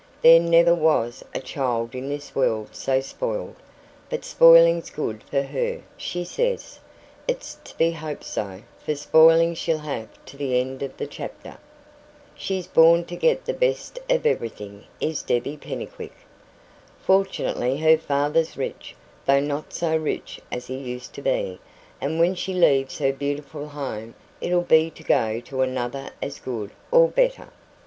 There never was a child in this world so spoiled. But spoiling's good for her, she says. It's to be hoped so, for spoiling she'll have to the end of the chapter. She's born to get the best of everything, is Debbie Pennycuick. Fortunately, her father's rich, though not so rich as he used to be; and when she leaves her beautiful home, it'll be to go to another as good, or better.